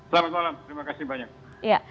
selamat malam terima kasih banyak